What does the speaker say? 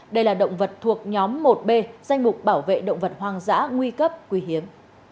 đây là động vật thuộc nhóm một b danh mục bảo vệ động vật hoang dã nguy cấp quý hiếm